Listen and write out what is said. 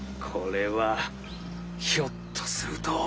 これはひょっとすると？